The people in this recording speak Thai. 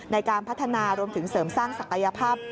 ในการพัฒนารวมถึงเสริมสร้างศักยภาพ